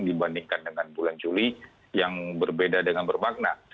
dibandingkan dengan bulan juli yang berbeda dengan bermakna